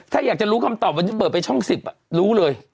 ถ้าอยากจะรู้คำตอบวันนี้เปิดไปช่อง๑๐รู้เลย